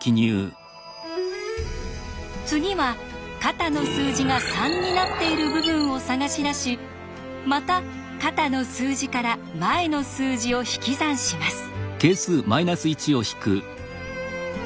次は肩の数字が３になっている部分を探し出しまた肩の数字から前の数字を引き算します。